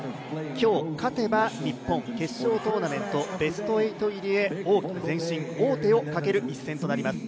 今日、勝てば日本、決勝トーナメント、ベスト８入りへ大きく前進王手をかける一戦となります。